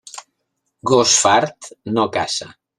Gos fart, no caça.